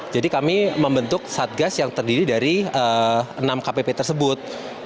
jadi kami membentuk satgas yang terdiri dari enam kpp tersebut